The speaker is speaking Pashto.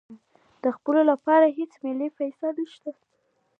د خپرولو لپاره هیڅ مالي فیس نشته.